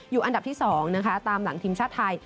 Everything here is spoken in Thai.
อยู่อันดับที่๒ตามหลังทีมชาติไทย